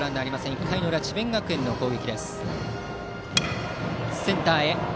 １回の裏、智弁学園の攻撃。